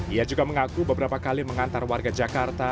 ia juga mengaku beberapa kali mengantar warga jakarta